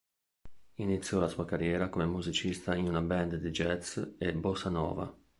Iniziò la sua carriera come musicista in una band di jazz e bossa nova.